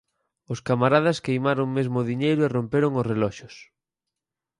Os camaradas queimaron mesmo o diñeiro e romperon os reloxos.